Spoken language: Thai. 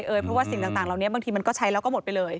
เพราะว่าสิ่งต่างเหล่านี้บางทีมันก็ใช้แล้วก็หมดไปเลย